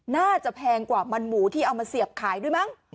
แพงกว่ามันหมูที่เอามาเสียบขายด้วยมั้ง